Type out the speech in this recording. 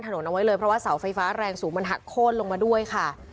เอาไว้เลยเพราะว่าเสาไฟฟ้าแรงสูงมันหักโค้นลงมาด้วยค่ะ